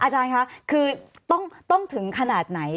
อาจารย์คะคือต้องถึงขนาดไหน